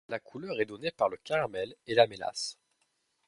La couleur est donnée par le caramel et la mélasse.